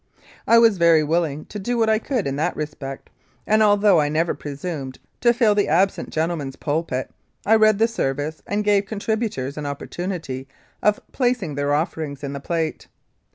I was very willing to do what I could in that respect, and, although I never presumed to fill the absent gentleman's pulpit, I read the service and gave contributors an opportunity of placing their offerings in the plate.